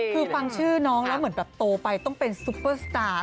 คือฟังชื่อน้องแล้วเหมือนแบบโตไปต้องเป็นซุปเปอร์สตาร์